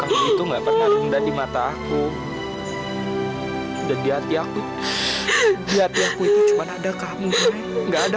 aku itu enggak pernah rendah di mata aku udah di hati aku di hati aku itu cuma ada kamu enggak ada